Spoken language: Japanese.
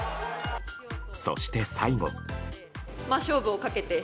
そして、最後。